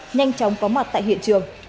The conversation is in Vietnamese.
nhanh chóng có mặt tại hiện trường